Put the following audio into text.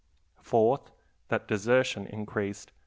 fourth, that desertion increased 369.